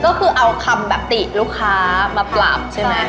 ก็คือเอาคำแบบติลูกค้ามาปรับใช่ไหม